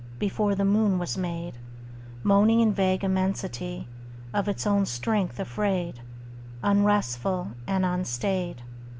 Before the moon was made, Moaning in vague immensity, Of its own strength afraid, Unresful and unstaid.